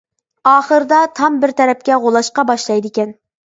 ئاخىرىدا تام بىر تەرەپكە غۇلاشقا باشلايدىكەن.